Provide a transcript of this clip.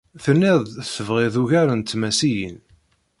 Tenniḍ-d tebɣiḍ ugar n tmasiyin.